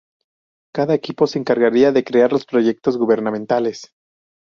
Cada equipo se encargaría de crear los proyectos gubernamentales.